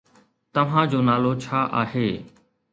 توهان جو نالو ڇا آهي؟